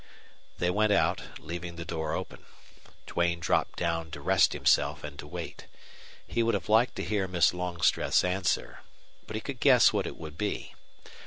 They went out, leaving the door open. Duane dropped down to rest himself and to wait. He would have liked to hear Miss Longstreth's answer. But he could guess what it would be.